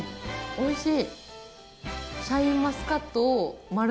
おいしい。